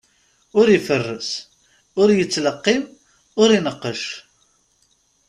Ur iferres, ur yettleqqim, ur ineqqec.